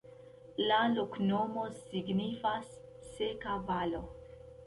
La loknomo signifas: seka valo.